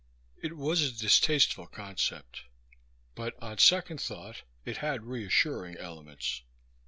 It was a distasteful concept; but on second thought it had reassuring elements.